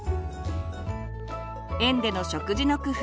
園での食事の工夫